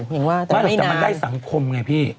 แต่มันได้สังคมไงพี่